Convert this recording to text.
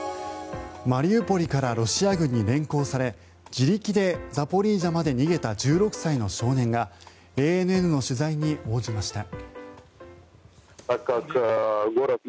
マリウポリからロシア軍に連行され自力でザポリージャまで逃げた１６歳の少年がＡＮＮの取材に応じました。